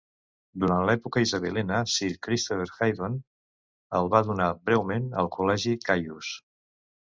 Durant l'època isabelina, Sir Christopher Heydon el va donar breument al Col·legi Caius.